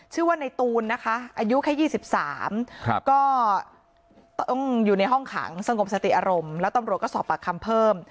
ชื่อว่าในตูนนะคะอายุแค่๒๓ก็ต้องอยู่ในห้องขังสงบสติอารมณ์แล้วตำรวจก็สอบปากคำเพิ่ม